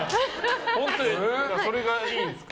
それがいいんですか？